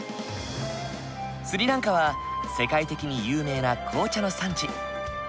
スリランカは世界的に有名な紅茶の産地。